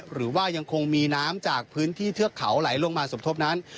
หรือว่ายังคงมีน้ำจากพื้นที่เทือกเขาไหลลงมาสมทบนั้น